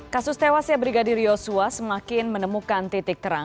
kasus tewasnya brigadir yosua semakin menemukan titik terang